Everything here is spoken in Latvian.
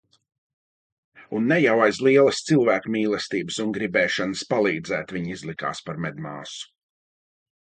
Un ne jau aiz lielas cilvēkmīlestības un gribēšanas palīdzēt viņa izlikās par medmāsu.